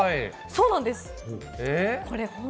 そうなんです。